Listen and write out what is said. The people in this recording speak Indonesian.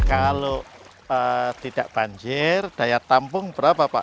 kalau tidak banjir daya tampung berapa pak